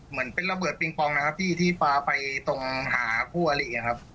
เหมือนเป็นระเบิดปิงปองนะครับพี่ที่ปลาไปตรงหาคู่อลิครับ